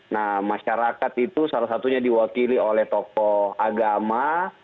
nah masyarakat itu salah satunya diwakili oleh tokoh agama